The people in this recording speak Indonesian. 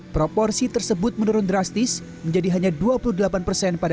proporsi tersebut menurun drastis menjadi hanya dua puluh delapan persen pada dua ribu enam puluh tiga